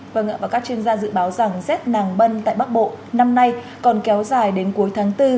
và các chuyên gia dự báo rằng z nàng bân tại bắc bộ năm nay còn kéo dài đến cuối tháng bốn